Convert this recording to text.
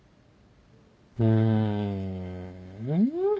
うん。